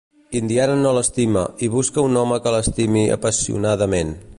Indiana no l'estima i busca un home que l'estimi apassionadament.